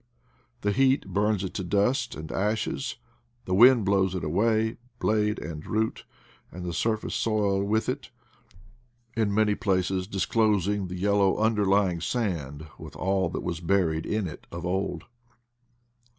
The heat burns it to dust and ashes, the wind blows it away, blade and root, and the surface soil with it, in many places disclosing the yellow underlying sand with all that was buried in it of old.